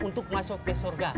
untuk masuk ke sorga